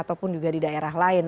ataupun juga di daerah lain